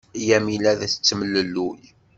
Yamina la tettemlelluy.